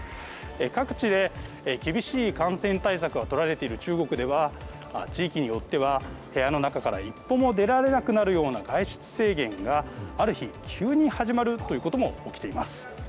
各地で厳しい感染対策が取られている中国では地域によっては部屋の中から一歩も出られなくなるような外出制限がある日、急に始まるということも起きています。